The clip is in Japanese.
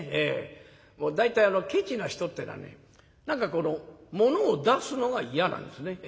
大体ケチな人ってえのはね何かものを出すのが嫌なんですね。